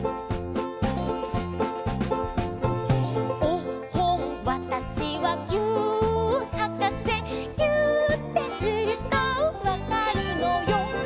「おっほんわたしはぎゅーっはかせ」「ぎゅーってするとわかるのよ」